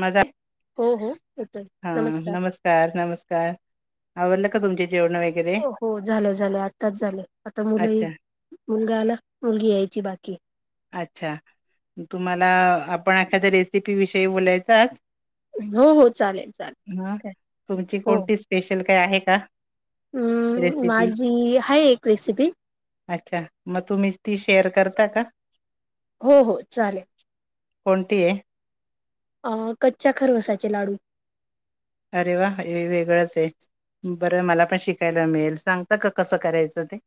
मजा हो हो येतोय हा नमस्कार नमस्कार. आवरले का तुमचे. जेवण वगैरे हो हो झालं झालं आताच झाल आता मुलं ये अच्छा मुलगा आला. मुलगी यायची बाकीय. अच्छा तुम्हाला. आपण एखाद्या रेसिपी विषयी बोलायच आज. हो हो चालेल चालेल हा काय तुमची कोणती स्पेशल काय आहे का? हम्म रेसिपी माझी आहे एक रेसिपी अच्छा मग तुम्ही ती शेअर करता का? हो हो चालेल कोणतीय अ कच्च्या खरवसाचे लाडू अरे वा हे वेगळंचय बरं मला पण शिकायला मिळेल सांगता का कसं करायचं ते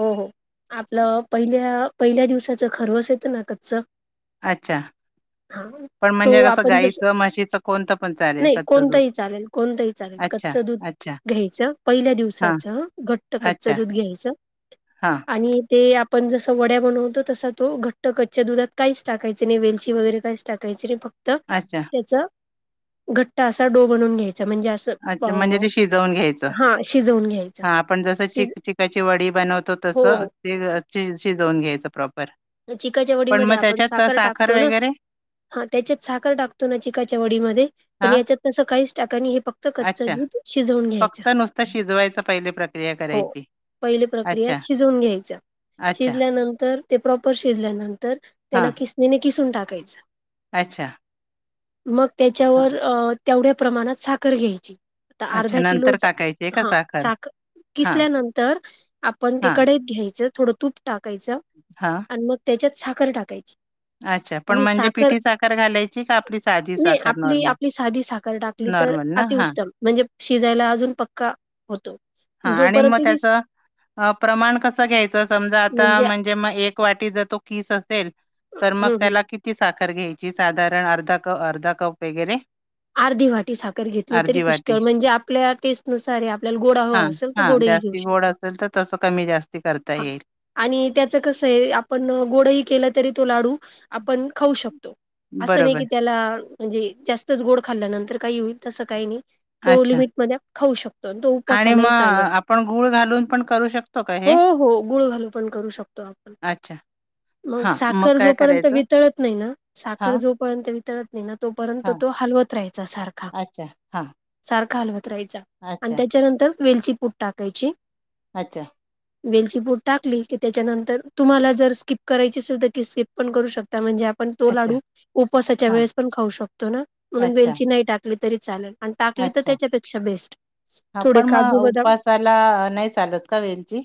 हो हो आपलं पहिल्या पहिल्या दिवसाच खरवस येतं ना कच्च अच्छा हा पण म्हणजे तो कसं आपण जस गाईचं म्हशीचं कोणतं पण चालेल नाही कच्चं दूध कोणतही चालेल कोणतही चालेल अच्छा कच्च दूध अच्छा घ्यायचं पहिल्या हा दिवसाच घट्ट कच्च अच्छा दूध घ्यायचं हा आणि ते ते आपण जस वड्या बनवतो तसा तो घट्ट कच्च्या दुधात काहीच टाकायच नाही वेलची वगैरे काहीच टाकायचे नाही फक्त अच्छा त्याचा घट्टा असा डो बनून घ्यायचा म्हणजे असं अच्छा म्हणजे अ ते शिजवून घ्यायचं हा शिजवून घ्यायचा हा आपण जस शिज चिक चिकाची वडी बनवतो हो तस ते शिजवून घ्यायच पॅऋ चिकाच्या वडी मधे आपण साखर टाकतो ना हा त्याच्यात साखर टाकतो ना चिकाच्या वडीमध्ये पण हा याच्यात तस काहीच टाका आणि फक्त कच्च अच्छा दूध शिजवून घ्यायच फक्त नुसतं शिजवायचं पहिले प्रक्रिया हो करायची. पहिली प्रक्रिया अच्छा शिजून घ्यायच अच्छा शिजल्यानंतर ते प्रॉपर शिजल्यानंतर हा त्याला किसनीने किसून टाकायचं अच्छा मग हा त्याच्यावर तेवढ्या प्रमाणात साखर घ्यायची आता अच्छा अर्धा किलो नंतर टाकायची आहे का हा साखर साख हा किसल्यानंतर आपण ते हा कढईत घ्यायचं थोडं तूप टाकायचं हा आणि मग त्याच्यात साखर टाकायची अच्छा पण आणि म्हणजे साखर पिठी घालायची का आपली साधी नाही साखर आपली नॉर्मल? आपली साधी साखर टाकली तर नॉर्मल ना अति हा उत्तम म्हणजे शिजायला अजून पक्का होतो हा आणि जोपर्यंत मग ती स त्याच प्रमाण कसं घ्यायचं समजा आता म्हणजे मग एक वाटी जर तो किस असेल तर मग हं, हं. त्याला किती साखर घ्यायची साधारण अर्धा कप अर्धा कप वगैरे अर्धी वाटी साखर घेतली तरी अर्धी वाटी. पुष्कळ म्हणजे आपल्या टेस्टनुसार आपल्याला गोड हवा हा असेल तर हा गोडही घेऊ जास्ती गोड शकतो. असेल तर तसं कमी जास्ती करता हा येईल आणि त्याच कस आहे आपण गोडही केलं तरी तो लाडू आपण खऊ शकतो अस नाही बरोबर. कि त्याला म्हणजे जास्तच गोड खाल्ल्यानंतर काही होईल तस काही नाही तो अच्छा लिमिट मधे खाऊ शकतो तो आणि मग उपासालाही चालेल अ, आपण गूळ घालून पण करू शकतो का हे? हो हो गुळ घालू पण करू शकतो त आपण अच्छा. मग हां, साखर काय जोपर्यंत करायचं? वितळत नाही ना हां, साखर जोपर्यंत वितळत नाही ना तोपर्यंत हां. तो हलवत त राहायचा सारखा अच्छा. हां. सारखा हलवत राहायचा आणि अच्छा, त्याच्यानंतर वेलचीपूड टाकायची. अच्छा वेलची पूड टाकली की त्याच्यानंतर तुम्हाला जर स्किप करायची असेल तर ती स्किप पण करू शकता म्हणजे आप पण तो अच्छा. लाडू उपासाच्या हां. वेळेस पण खाऊ शकतो ना म्हणून अच्छा, वेलची नाही टाकली तरी चालेल. आणि टाकली तर त्याच्यापेक्षा बेस्ट. हा थोडे पण मग काजू बदाम उपवासाला नाही चालत का वेलची.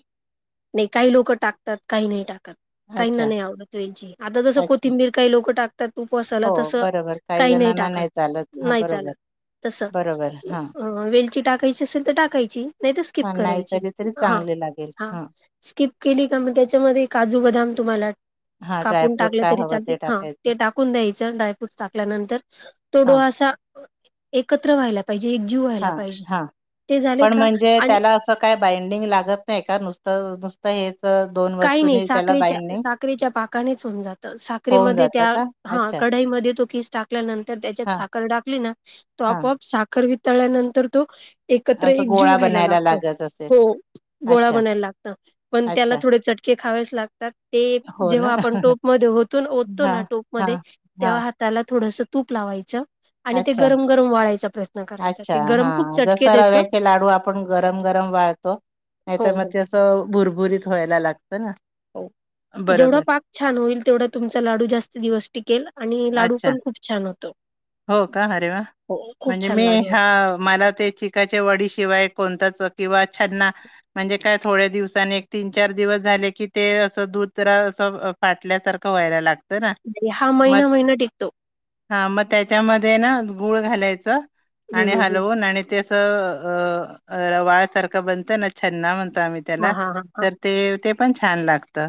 नाही काही लोक टाकतात काही नाही टाकत. काहीना अच्छा. नाही आवडत वेलची आता जसं अच्छा कोथिंबीर काही लोक टाक त्यात उपवासाला हो तस बरोबर काही नाही जणांना टाकात. चालत हा बरोबर. तस अ बरोबर. हां, वेलची टाकायची असेल तर टाकायची नाही तर स्किप हां, करायची नाहीतरी तरी हा. चांगले लागेल हा. स्किप केली का मी त्याच्यामध्ये काजू बदाम तुम्हाला... हां, कापून ड्रायफ्रूट टाकलं काय तरी हवं ते चालतील हा टाकायचं. ते टाकून द्यायचं ड्रायफ्रूट टाकल्यानंतर.... व्हिडिओ हां, असा एकत्र व्हायला.. जीव व्हायला हां, पाहिजे. हां. ते झाले पण का म्हणजे आणि त्याला असं काय बाइंडिंग लागत नाही का नुसत... काही नाही साखरेच्या बाइंडिंग साखरेच्या पाकानेच होऊन जात होऊन साखरेमध्ये जातं त्या का? ह अच्छा. कढई मधे तो किस टाकल्या नंतर त्याच्यात हां, साखर टाकली ना तो हां. आपोआप साखर वीत.. तळल्या नंतर तो... एकत्र असं एक जीव गोळा व्हायला बनायला लागतो लागत असेल. हो गोळा अच्छा, बनायला लागत पण त्याला.. अच्छा. थोडे चटके खावेच लागतात ते हो ना. जेव्हा आपण टोप मध्ये ओतून ओततो ना हां, टोप हां, मध्ये हां. तेव्हा हाताला.. थोडसं तूप लावायचं आणि ते अच्छा. गरम गरम वाळायचं. अच्छा हा जस रव्याचे लाडू आपण गरम गरम वाळतो... नाही तर हो, मग हो, ते असं भुरभुरीत व्हायला लागतं ना. हो. जेवढा बरोबर. पाक छान होईल तेवढा तुमचा लाडू जास्त दिवस टिकेल आणि लाडू अच्छा, पण खूप छान होतो. हो का अरे वा हो खूप म्हणजे छान मी लाडू हा होतो. मला ते चिकाच्या वडी शिवाय... कोणच किंवा छन्ना म्हणजे काय थोड्या दिवसानी तीन चार दिवस झाले की ते अस... तर अस फाटल्यासारखं व्हायला लागत. हा महिना महिना टिकतो. हा मग त्याच्यामध्ये ना गुळ घालायचं हं, आणि हं, हं. हलवून आणि ते.... त अ अ रवाळ सारखं बनत ना छन्ना म्हण... तो आम्ही हां, त्याला हां, हां, हां. तर ते ते पण छान लागत.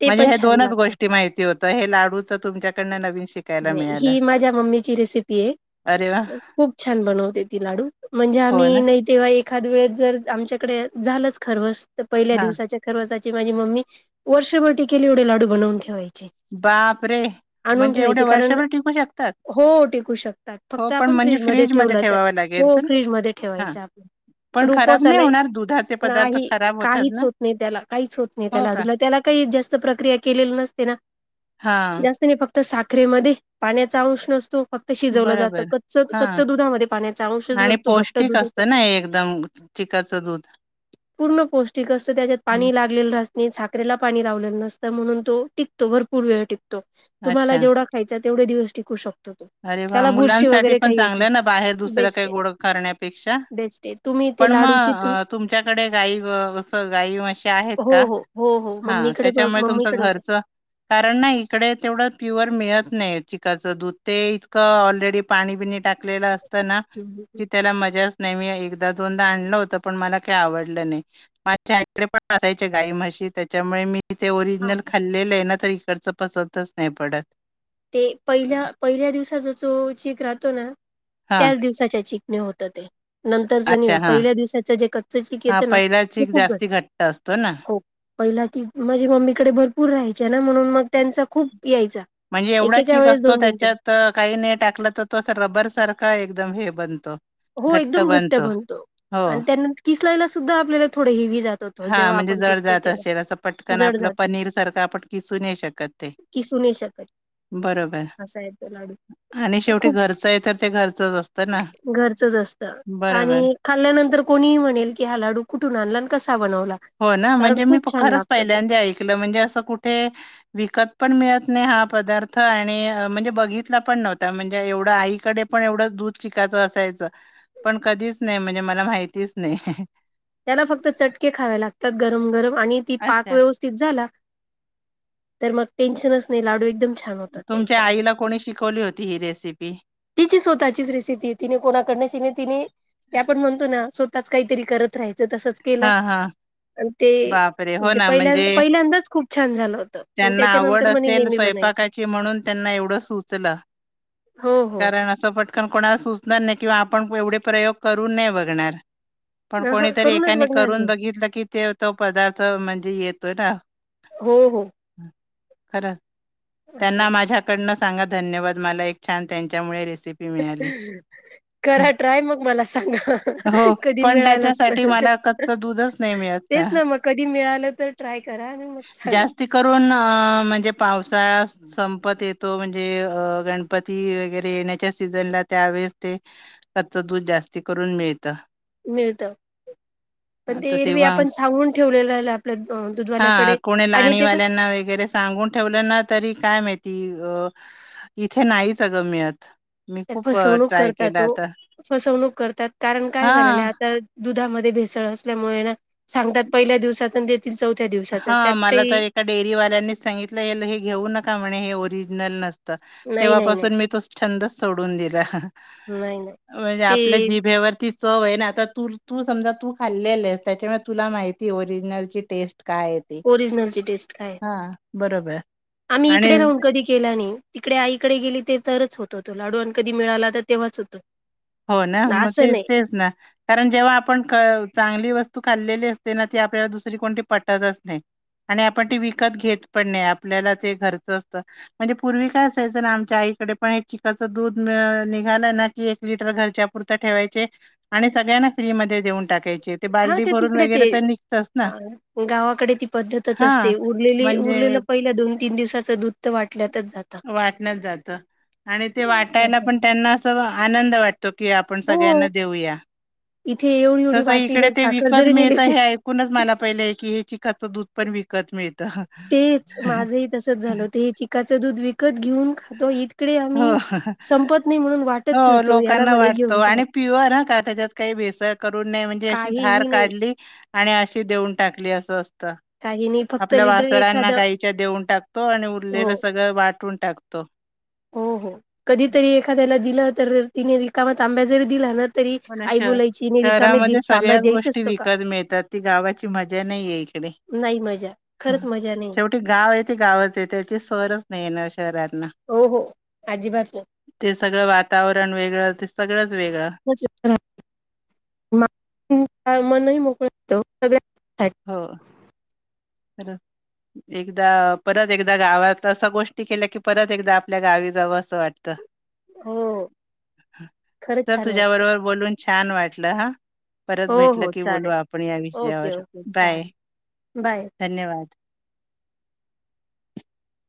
ते म्हणजे पण हे छान दोनच लागतं. गोष्टी माहिती होतं हे लाडू... च तुमच्याकडन नवीन शिकायला मिळालं. ही माझ्या मम्मीची रेसिपी आहे अरे वा खूप छान बनवते ती लाडू म्हणजे हो ना आम्ही नाही तेव्हा एक.... खाद वेळ जर आमच्याकडे झालंच खरवस तर पहिल्या हा दिवसाच्या खरवसाची... माझी मम्मी वर्षभर टिकेल एवढे लाडू बनवून ठेवायची. बापरे. आणून म्हणजे एवढे ठेवायची कारण वर्षभर टिकू शकतात हो टिकू शकतात हो फक्त पण आपण म्हणजे फ्रीजमध्ये फ्रीज ठेवल मध्ये तर.... ठेवावं लागेल हो तर फ्रीज मध्ये हा ठेवायचं आप... पण खराब नाही उपवासाला होणार दुधाचे पदार्थ नाही खराब होतात काहीच ना होत नाही त्याला काहीच होत नाही त्या हो का लाडूला त्याला काही.... ते जास्त प्रक्रिया केलेल नसते ना. हा जास्त नाही फक्त साखरेमध्ये पाण्याचा अंश नसतो. फक्त शिजवलं जातं बरोबर कच्च कच्च हा दुधामध्ये पाण्याचा अंशच आणि नसतो घट्ट पौष्टिक दुधाचा... असतं ना एकदम चिकाचं दूध. पूर्ण पौष्टिक असत त्याच्यात हं, पाणी लागलेलं.. साखरेला पाणी लावलेलं नसतं म्हणून तो टिकतो भरपूर वेळ टिकतो तुम्हाला अच्छा जेवढा खायचा... तेवढे दिवस टिकू शकतो. तो अरे! वा त्याला बुरशी मुलांसाठी वगैरे पण काही येत नाही चांगलं ना बाहेर दुसरं बेस्ट काही आहे गोड करण्यापेक्षा.... बेस्ट आहे तुम्ही पण ते लाडूची तुम मग तुमच्याकडे गाय अस गाय म्हशी आहेत. हो का हो हो हो हा... मम्मीकडे भ त्याच्यामुळे तुमचं मम्मीकडे होते घरचं कारण ना इकडे तेवढं प्युअर मिळत नाही. चिकाचं दूध... ते इतकं ऑलरेडी पाणी बिणी टाकलेलं असतं. ना कि त्याला मजाच... नाही मी एकदा दोनदा आणलं होत. पण मला काही आवडलं नाही. माझ्या आकडे पण असायचे गाई म्हशी.. त्याच्यामुळे मी ते हा ओरिजनल खाल्लेलं आहे. ना त इकडच पसंत नाही पडत. ते पहिल्या पहिल्या दिवसाचा तो चीक राहतो. ना हा त्याच दिवसाच्या चीक.. होत. ते अच्छा नंतरच हा पहिल्या दिवसाच जे कच्च चक हा येतं ना पहिला ते चीक खूप हे... जास्ती घट्ट असतो ना हो पहिला ती माझी मम्मीकडे भरपूर राहायच. ना म्हणून मग... त्यांचा खूप यायचा... म्हणजे एवढा एकेका चीक वेळेस असतो. दोन तीन तीन त्याच्यात काही ने टाकला तर तो रबर सारखा एकदम हे बनतं... हो एकदम घट्ट बनतो. आणि त्यान किसलायला सुद्धा आपल्याला थोड हेवी... जात होतो हा जेव्हा म्हणजे आपण जड किसतो जात तेव्हा. असेल. असं पटकन जड आपलं जातं पनीर सारखं आपण किसू नाही. शकत ते... किसू नाही शकत. बरोबर असा आहे तो लाडू आणि शेवटी खूप घरचं आहे तर ते घरचंच असतं. ना घरचंच असतं. बरोबर. आणि खाल्ल्यानंतर कोणीही म्हणेल की हा लाडू कुठून आणला आणि कसा बनवला. हो ना कारण म्हणजे मी खूप छान खरच लागतो तो पहिल्यांदा ऐकलं म्हणजे असं कुठे विकत पण मिळत नाही. हा पदार्थ आणि म्हणजे बघितला पण नव्हता म्हणजे एवढं आईकडे पण एवढं दूध चिकायचं असायचं पण कधीच नाही. म्हणजे मला माहितीच नाही. त्याला फक्त चटके खावे लागतात. गरम गरम आणि ती पाक अच्छा. व्यवस्थित झाला. तर मग टेन्शनच नाही. लाडू एकदम छान होतात तुमच्या त्याच्यावाले आईला कोणी शिकवली होती? रेसिपी? तिची स्वतःचीच रेसिपी तिने कोणाकड तिने आपण म्हणतो ना काहीतरी करत राहायचं तसच हा केलं. हा ते बापरे! हो म्हणजे ना पहिल्या पहिल्यांदाच खूप छान झालं होतं. त्यांना आवड त्याच्यानंतर मग ते असेल नेहमी बनायचे. स्वयंपाकाची म्हणून त्यांना एवढं सुचलं हो हो कारण अस पटकन कोणाला सूचनार नाही. किंवा आपण एवढे प्रयोग करून नाही. बघणार पण ह कोणीतरी करूनच एकाने बघणार करून मी बघित की ते तो पदार्थ म्हणजे येतोय. ना हो हो खरं असं आहे त्यांना माझ्याकडनं सांगा. धन्यवाद मला एक छान त्यांच्यामुळे रेसिपी मिळाली. करा ट्राय मग मला सांगा. हो कधी पण मिळाल असत त्याच्यासाठी मला कच्च दूधच नाही मिळत. ना मग कधी मिळालं तर ट्राय करा आणि मग सांगा. जास्ती करून अ म्हणजे पावसाळा संपत येतो. म्हणजे गणपती वगैरे येण्याच्या त्यावेळेस ते कच्च दूध जास्त करून मिळत. मिळत पण आता ते हरवी तेव्हा आपण सांगून ठेवलेलं आपल्या हा दुधवाल्याकडे कोणी आणि ते कस लाणीवाल्यांना वगैरे सांगून ठेवलं ना तरी काय माहिती अ इथे नाहीच. अगं मिळत मी खूप अ, फसवणूक ट्राय करतात. केला हो आता फसवणूक करतात कारण काय झालेलं हा आता दुधामध्ये भेसळ असल्यामुळे ना सांगतात पहिल्या दिवसात येथील चौथ्या दिवसाच हा त्यात मला तर काही एका डेअरीवाल्यानीच सांगितलं. हे घेऊ नका म्हणे हे ओरिजिनल नसतं. नाही नाही नाही तेव्हापासून मी तो छंद सोडून दिला नाही नाही. म्हणजे आपल्या ते जीभेवरती चव आहे. ना आता तू तू समजा तू खाल्लेल आहेस त्याच्यामुळे तुला माहिती आहे. ओरिजिनल ची टेस्ट काय ते ओरिजनलची टेस्ट काय हा बरोबर आम्ही आणि इकडे राहून कधी केल नाही. तिकडे आईकडे गेली. ते तरच होतो तो लाडू आणि कधी मिळाला तर तेव्हाच होतो. हो ना मग असं ते नाही तेच ना कारण जेव्हा आपण चांगलं. जी वस्तू आपण खाल्लेली असते. आपल्याला दुसरी कोणती पटतच नाही. आणि आपण ते विकत घेत पण नाही आपल्यालाच घरचं असतं म्हणजे पूर्वी काय असायचं ना आमच्या आई तिकडे पण एक चिकाच दूध निघाला ना की एक लिटर घरच्या पुुरत ठेवायचे आणि सगळ्यांना फ्री मध्ये देऊन टाकायचे. हा बालडी ते भरून तिकडे ते वगैरे तर निघतच ना गावाकडे ती पद्धतच हा असते उरलेली म्हणजे उर केलं पहिल्या दोन-तीन दिवसाचं दूध त वाटल्यातच जातं. वाटण्यात जात आणि ते वाटायला पण त्यांना असं आनं द होतो की आपण सगळ्यांना हो देऊया. इथे एवढी एवढी तसं वाटी इकडे भर ते साखर विकत जरी नेली मिळत ते हे ऐकूनच मला पहिलंय की हे चिकाचं दूध पण विक तेच माझही तसच झालं ते चिकाचं दूध विकत घेऊन खातो, इतिकडे हो आम्ही संपत नाही म्हणून वाटत फिरतो याला म्हणे घेऊन जाय बर का त्याच्यात काही भेसळ करून नाही म्हणजे अशी धार काहीही नाही काढली आणि अशी देऊन टाकली असं असतं काही नाही फक्त आपल्या लिटर वासरांना एखादं गाईच्या देऊन टाक तो आणि उरलेलं हो सगळं वाटून टाकतो. हो हो कधी तरी एखाद्याला दिलं तर तिने रिकामा तांब्या जरी दिला ना तरी पण आई श बोलायची हिने रिकामे दि शहरामध्ये तांब्या सगळ्याचं द्यायचाच गोष्टी तो का विकत मिळतात ती गावाची मजा नाहीये इकडे. नाही मजा खरंच मजा नाही शेवटी गावं आहे ते गावंच आहे त्याची सरचं नाही येणार. खरातना. हो हो अजिबात नाही. ते सगळं वातावरण वेगळं ते सगळंच वेगळं [unintelligible] मनही मोकळं होत. सगळ्यांसाठी हो हॅलो. एकदा परत एकदा गावात असा गोष्टी केल्या की परत एकदा आपल्या गावी जावं असं वाटतं. हो खरंच तर छान तुझ्या वाटत बरोबर बोलून छान वाटलं हा. परत हो भेटलं हो की बोलू चालेल आपण या ओके विषयावर. ओके बाय चालेल बाय. [inaudible]